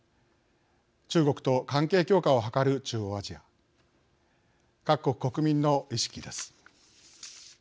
中国と関係強化を図る中央アジア各国国民の意識です。